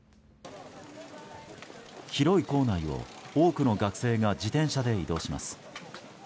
広い構内を、多くの学生が自転車で移動します。